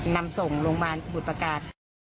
นำส่งโรงพยาบาลสมุทรประการ